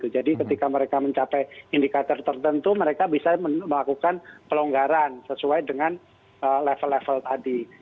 jadi ketika mereka mencapai indikator tertentu mereka bisa melakukan pelonggaran sesuai dengan level level tadi